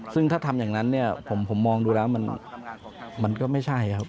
ซึ่งถ้าทำอย่างนั้นเนี่ยผมมองดูแล้วมันก็ไม่ใช่ครับ